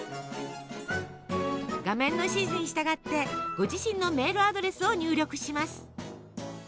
画面の指示に従ってご自身のメールアドレスを入力します。